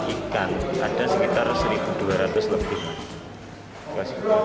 ikan ada sekitar satu dua ratus lebih